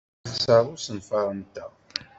Yexṣer usenfar-nteɣ.